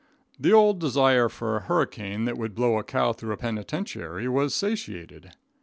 The old desire for a hurricane that would blow a cow through a penitentiary was satiated.